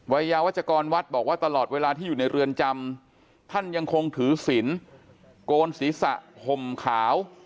วัยยาวัชกรวัดบอกว่าตลอดเวลาที่อยู่ในเรือนจำท่านยังคงถือศิลป์โกนศีรษะห่มขาว